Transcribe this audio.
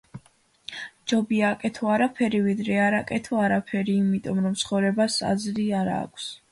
ჯობია, აკეთო არაფერი, ვიდრე არ აკეთო არაფერი იმიტომ რომ ცხოვრებას აზრინ არაქვს